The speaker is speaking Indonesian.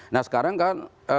nah sekarang kan